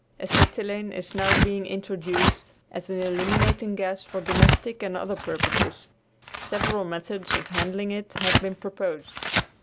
Acetylene is now being introduced as an illuminating gas for domestic and other purposes. Several methods of handling it have been proposed.